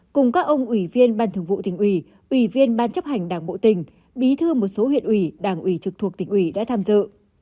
cùng các ông ủy viên ban thường vụ tỉnh ủy ủy viên ban chấp hành đảng bộ tỉnh bí thư một số huyện ủy đảng ủy trực thuộc tỉnh ủy đã tham dự